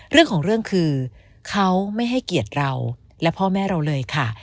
เรื่องของเรื่องคือเขาไม่ให้เกียรติเราและพ่อแม่เราเลยค่ะ